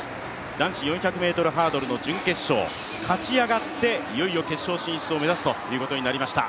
男子４００ｍハードルの準決勝、勝ち上がっていよいよ決勝進出を目指すということになりました。